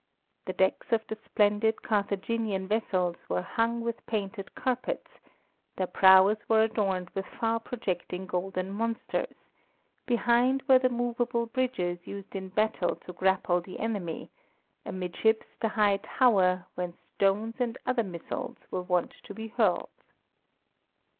The decks of the splendid Carthaginian vessels were hung with painted carpets, their prows were adorned with far projecting golden monsters, behind were the movable bridges used in battle to grapple the enemy, amidships the high tower, whence stones and other missiles were wont to be hurled.